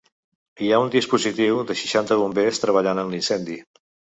Hi ha un dispositiu de seixanta bombers treballant en l’incendi.